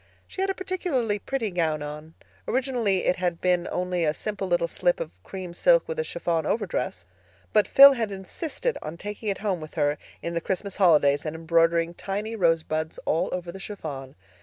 She had a particularly pretty gown on. Originally it had been only a simple little slip of cream silk with a chiffon overdress. But Phil had insisted on taking it home with her in the Christmas holidays and embroidering tiny rosebuds all over the chiffon.